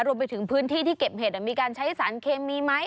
รวมไปถึงพื้นที่ที่เก็บเห็ดมีการใช้สารเคมีไหม